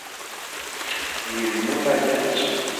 Η Ειρηνούλα γέλασε.